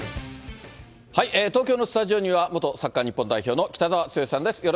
東京のスタジオには、元サッカー日本代表の北澤豪さんです。